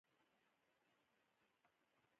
لوبه ګرمه ده